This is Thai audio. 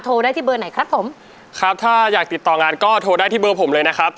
ได้ที่เบอร์ไหนครับผมครับถ้าอยากติดต่องานก็โทรได้ที่เบอร์ผมเลยนะครับ